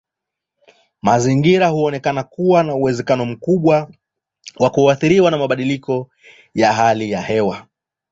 Mazingira huonekana kuwa na uwezekano mkubwa wa kuathiriwa na mabadiliko ya hali ya hewa.